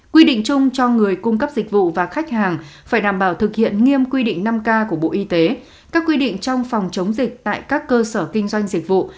quy định chung cho người cung cấp dịch vụ và khách hàng phải đảm bảo thực hiện nghiêm quy định năm k của bộ y tế các quy định trong phòng chống dịch tại các cơ sở kinh doanh dịch vụ